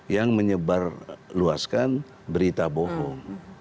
yang menyebar luaskan berita bohong